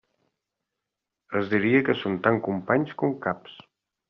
Es diria que són tant companys com caps.